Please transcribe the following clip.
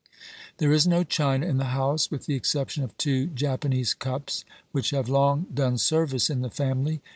There is no china in the house, with the exception of two Japanese cups, which have long done service in the family.